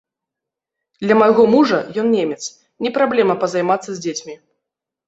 Для майго мужа, ён немец, не праблема пазаймацца з дзецьмі.